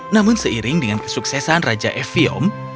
namun seiring dengan kesuksesan raja evium